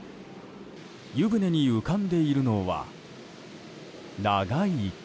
湯船に浮かんでいるのは長い木。